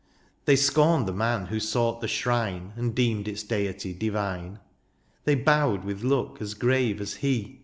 They scorned the man who sought the shrine And deemed its deity divine : They bowed with look as grave as he.